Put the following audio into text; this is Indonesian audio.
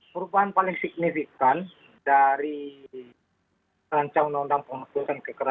perubahan paling signifikan dari rancangan undang undang pemaksudan kekerasan